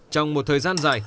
trong một thời gian dài